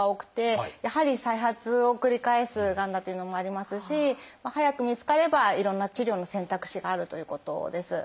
やはり再発を繰り返すがんだというのもありますし早く見つかればいろんな治療の選択肢があるということです。